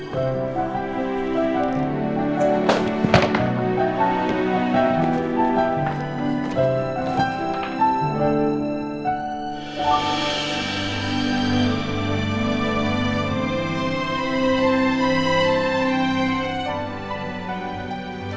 loh ini kan